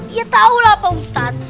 iya tau lah pak ustadz